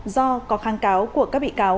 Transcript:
do có kháng cáo của các bị cáo